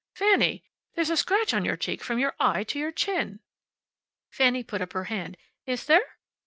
"Fanny! There's a scratch on your cheek from your eye to your chin." Fanny put up her hand. "Is there?"